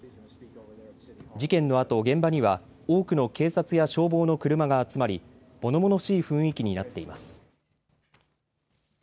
事件のあと現場には多くの警察や消防の車が集まりものものしい雰囲気になっています。